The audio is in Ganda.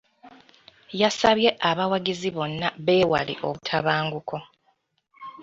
Yasabye abawagizi bonna beewaale obutabanguko.